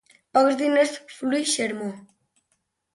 Pocs diners, fluix sermó.